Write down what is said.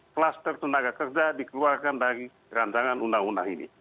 kluster tenaga kerja dikeluarkan dari rancangan undang undang ini